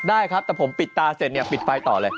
ได้ครับแต่ผมปิดตาเสร็จเนี่ยปิดไฟต่อเลย